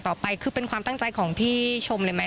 ต่อไปคือเป็นความตั้งใจของพี่ชมเลยไหม